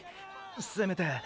せめて。